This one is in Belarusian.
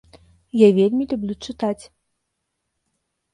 Я вельмі люблю чытаць!